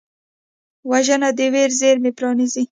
وژنه د ویر زېرمې پرانیزي